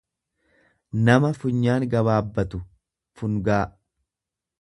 nama funyaan gabaabbatu, fungaa.